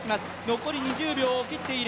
残り２０秒を切っている。